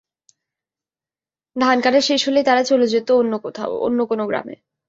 ধান কাটা শেষ হলেই তারা চলে যেত অন্য কোথাও, অন্য কোনো গ্রামে।